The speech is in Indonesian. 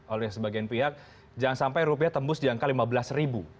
oleh sebagian pihak jangan sampai rupiah tembus di angka lima belas ribu